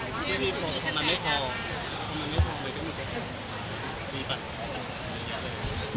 ดีป่ะ